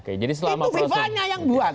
itu viva nya yang buat